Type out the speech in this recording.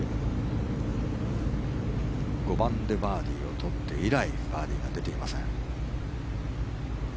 ５番でバーディーを取って以来バーディーが出ていません。